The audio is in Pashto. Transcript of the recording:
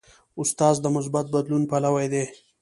استاد د مثبت بدلون پلوی دی.